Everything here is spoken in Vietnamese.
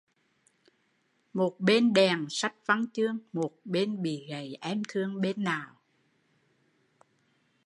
Một bên đèn sách văn chương, một bên bị gậy em thương bên nào